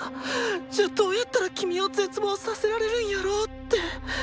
じゃあどうやったらキミを絶望させられるんやろうって。